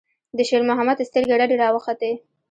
د شېرمحمد سترګې رډې راوختې.